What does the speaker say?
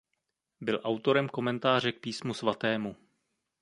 Byl autorem komentáře k Písmu svatému.